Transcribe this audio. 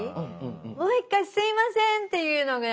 もう一回「すいません」って言うのがやっぱり。